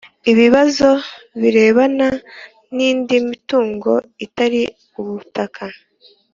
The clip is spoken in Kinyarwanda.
Ibibazo Birebana N Indi Mitungo Itari Ubutaka